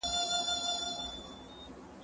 زه به سبا تمرين وکړم!.